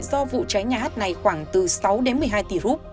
do vụ cháy nhà hát này khoảng từ sáu một mươi hai tỷ rup